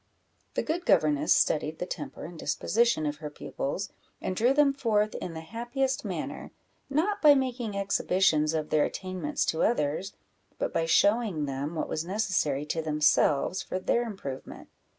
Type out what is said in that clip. The good governess studied the temper and disposition of her pupils, and drew them forth in the happiest manner; not by making exhibitions of their attainments to others, but by showing them what was necessary to themselves for their improvement.